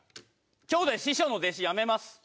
今日で師匠の弟子やめます。